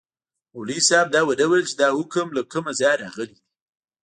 مولوي صاحب دا ونه ویل چي دا حکم له کومه ځایه راغلی دی.